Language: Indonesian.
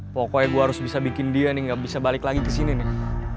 pokoknya gue harus bisa bikin dia nih gak bisa balik lagi ke sini nih